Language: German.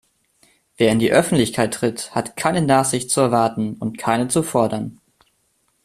Wer in die Öffentlichkeit tritt, hat keine Nachsicht zu erwarten und keine zu fordern.